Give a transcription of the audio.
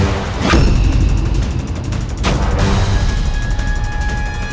aku akan melawan